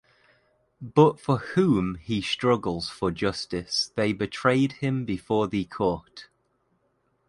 But for whom he struggles for justice they betrayed him before the Court.